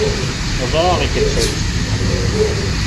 Оҙаҡ итеп сәй эстеләр.